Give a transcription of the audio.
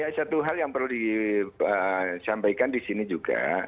ya satu hal yang perlu disampaikan di sini juga